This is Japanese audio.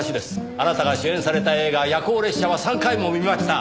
あなたが主演された映画『夜行列車』は３回も見ました。